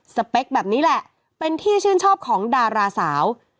เป๊กแบบนี้แหละเป็นที่ชื่นชอบของดาราสาว